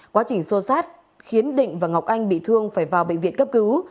quá trình xô sát khiến định và ngọc anh bị thương phải vào bệnh viện cấp cứu